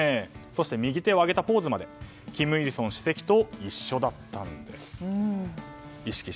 そして、右手を挙げてポーズまで金日成主席と一緒だったんです。